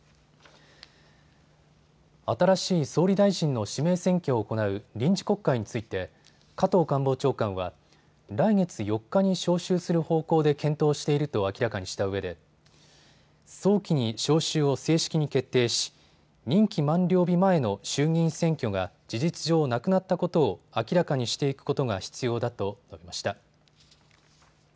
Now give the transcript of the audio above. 新しい総理大臣の指名選挙を行う臨時国会について加藤官房長官は来月４日に召集する方向で検討していると明らかにしたうえで早期に召集を正式に決定し任期満了日前の衆議院選挙が事実上なくなったことを明らかにしていくことが必要だと述べました。